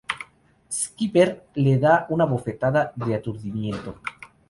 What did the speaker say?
Skipper le da una bofetada de su aturdimiento.